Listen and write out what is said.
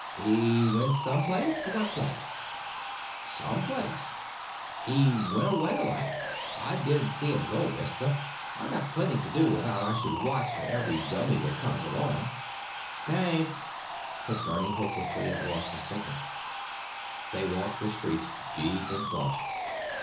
"He went someplace? What place?" "Someplace. He went away, like. I din't see him go, mister. I got plenty to do without I should watch out for every dummy that comes along." "T'anks," said Bernie hopelessly at Ross's signal. They walked the street, deep in thought.